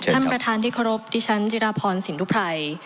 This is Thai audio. ท่านประธานที่เคารพดิฉันจิราพรสินทุไพร